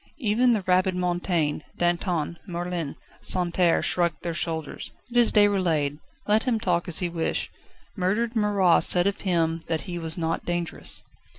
Even the rabid Mountain, Danton, Merlin, Santerre, shrugged their shoulders. "It is Déroulède, let him talk an he list. Murdered Marat said of him that he was not dangerous."